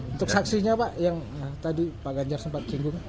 untuk saksinya pak yang tadi pak ganjar sempat singgung